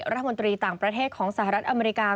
รัฐมนตรีต่างประเทศของสหรัฐอเมริกา